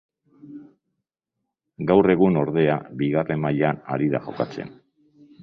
Gaur egun ordea bigarren mailan ari da jokatzen.